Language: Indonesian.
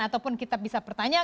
ataupun kita bisa pertanyaan